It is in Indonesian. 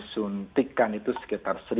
sejumlah relawan yang sudah dikonsumsi